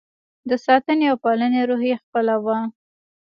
د ساتنې او پالنې روحیه خپله وه.